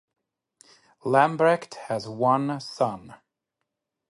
Lambrecht has one son.